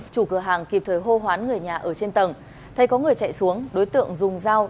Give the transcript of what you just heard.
chủ cửa hàng kịp thời hô hoán người nhà ở trên tầng thay có người chạy xuống đối tượng dùng dao